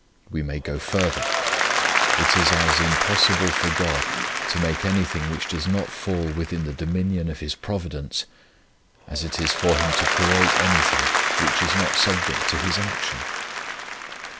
We may go further : it is as impossible for God to make anything which does not fall within the dominion of His Provi dence as it is for Him to create anything which is not subject to His action.